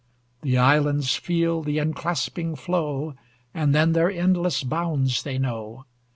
The islands feel the enclasping flow, And then their endless bounds they know.